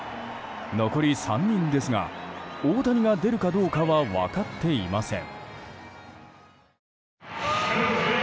残り３人ですが大谷が出るかどうかは分かっていません。